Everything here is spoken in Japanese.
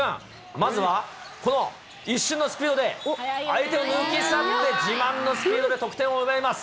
まずはこの一瞬のスピードで、相手を抜き去って自慢のスピードで得点を奪います。